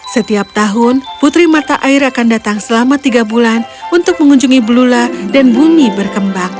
setiap tahun putri mata air akan datang selama tiga bulan untuk mengunjungi blula dan bumi berkembang